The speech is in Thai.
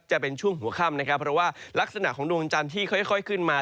จะเป็นช่วงหัวค่ำนะครับเพราะว่ารักษณะของดวงจันทร์ที่ค่อยขึ้นมา